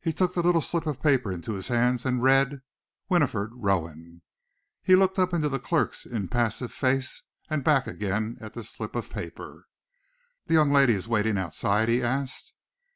He took the little slip of paper into his hands, and read Winifred Rowan. He looked up into the clerk's impassive face, and back again at the slip of paper. "The young lady is waiting outside?" he asked.